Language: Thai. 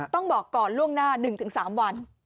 ต้องบอกก่อนล่วงหน้า๑๓วัน